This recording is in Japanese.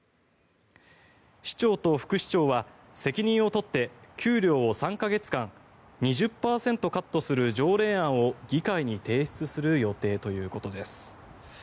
市長と副市長は責任を取って給料を３か月間２０％カットする条例案を議会に提出する予定ということです。